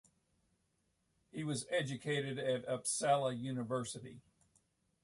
He was educated at Uppsala University.